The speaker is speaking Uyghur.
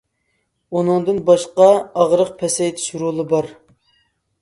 ئۇنىڭدىن باشقا ئاغرىق پەسەيتىش رولى بار.